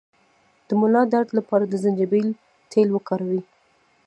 د ملا درد لپاره د زنجبیل تېل وکاروئ